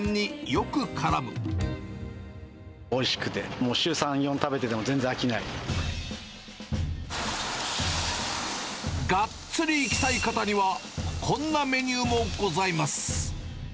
おいしくて、もう週３、がっつりいきたい方には、こんなメニューもございます。